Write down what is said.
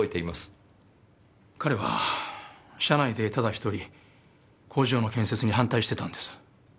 彼は社内でただ１人工場の建設に反対してたんです。